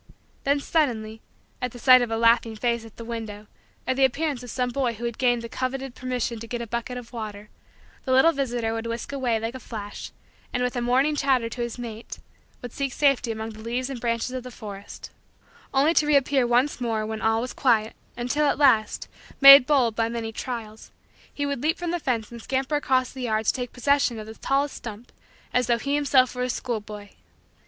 Then suddenly, at sight of a laughing face at the window or the appearance of some boy who had gained the coveted permission to get a bucket of water, the little visitor would whisk away again like a flash and, with a warning chatter to his mate, would seek safety among the leaves and branches of the forest only to reappear once more when all was quiet until, at last, made bold by many trials, he would leap from the fence and scamper across the yard to take possession of the tallest stump as though he himself were a schoolboy.